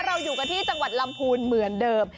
เราอยู่กันที่จังหวัดลำพูนเหมือนเดิม